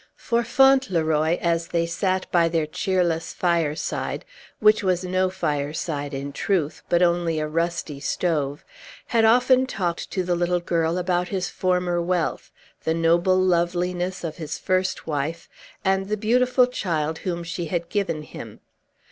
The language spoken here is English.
For Fauntleroy, as they sat by their cheerless fireside, which was no fireside, in truth, but only a rusty stove, had often talked to the little girl about his former wealth, the noble loveliness of his first wife, and the beautiful child whom she had given him.